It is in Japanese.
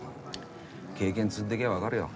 経験積んでけばわかるよ。